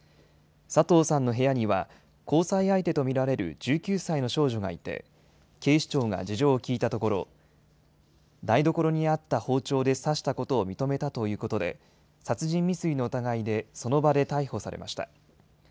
佐藤さんの部屋には交際相手と見られる１９歳の少女がいて、警視庁が事情を聴いたところ、台所にあった包丁で刺したことを認めたということで、殺人未遂の疑いで、その場で逮捕されました。